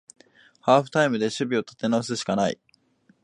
ハーフタイムで守備を立て直すしかない